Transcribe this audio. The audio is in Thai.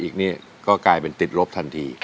ขอบคุณครับ